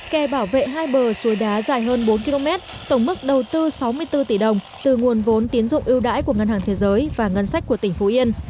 kè bảo vệ hai bờ suối đá dài hơn bốn km tổng mức đầu tư sáu mươi bốn tỷ đồng từ nguồn vốn tiến dụng ưu đãi của ngân hàng thế giới và ngân sách của tỉnh phú yên